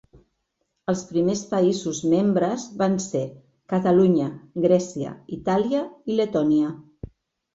Els primers països membres van ser Catalunya, Grècia, Itàlia i Letònia